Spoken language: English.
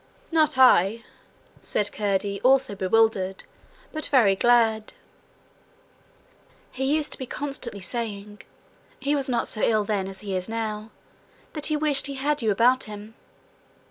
'Not I,' said Curdie, also bewildered, but very glad. 'He used to be constantly saying he was not so ill then as he is now that he wished he had you about him.'